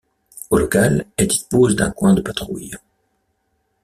Au local elle dispose d'un coin de patrouille.